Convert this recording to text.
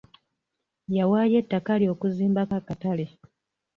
Yawaayo ettaka lye okuzimbako akatale.